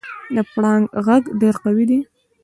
د پړانګ غږ ډېر قوي دی.